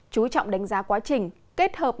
chú trọng đánh giá quá trình